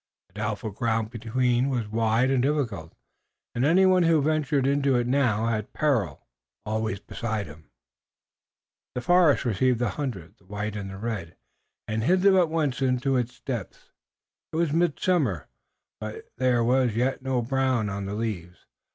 The doubtful ground between was wide and difficult, and anyone who ventured into it now had peril always beside him. The forest received the hundred, the white and the red, and hid them at once in its depths. It was mid summer, but there was yet no brown on the leaves.